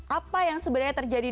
apa yang sebenarnya terjadi di sana